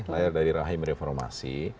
layar dari rahim reformasi